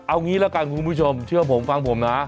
เอางี้ละกันคุณผู้ชมเชื่อผมฟังผมนะ